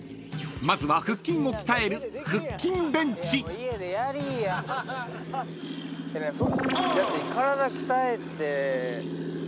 ［まずは腹筋を鍛える］だって体鍛えて。